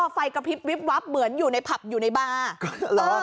ไฟกระพริบวิบวับเหมือนอยู่ในผับอยู่ในบาร์